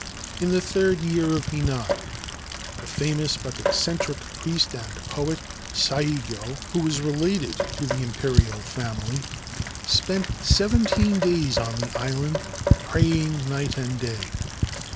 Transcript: In the third year of Ninnan the famous but eccent priest and poet, Saigyo, who was related to the Impel family, spent seventeen days on the island, praying ni^ and day.